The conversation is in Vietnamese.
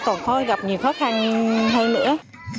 còn không gặp nhiều khó khăn hay nữa